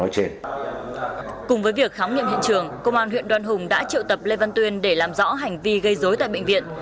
cùng với việc khám nghiệm hiện trường công an huyện đoan hùng đã triệu tập lê văn tuyên để làm rõ hành vi gây dối tại bệnh viện